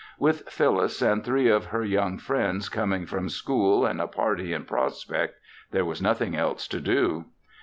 With Phyllis and three of her young friends coming from school and a party in prospect, there was nothing else to do.